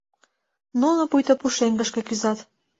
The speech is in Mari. Нуно пуйто пушеҥгышке кӱзат.